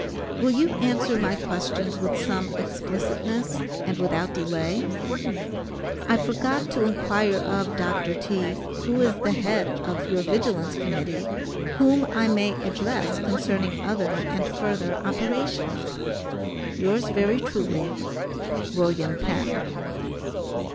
Will you answer my questions with some explicitness, and without delay? I forgot to inquire of Dr. T. who is the head of your Vigilance Committee, whom I may address concerning other and further operations? Yours very truly, WM. PENN.